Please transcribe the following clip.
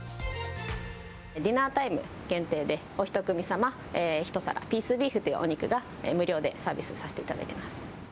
ディナータイム限定で、お１組様１皿、ピースビーフを無料でサービスさせていただいてます。